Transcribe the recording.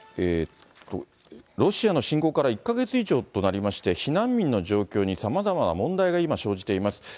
ロシアの侵攻から１か月以上となりまして、避難民の状況にさまざまな問題が今生じています。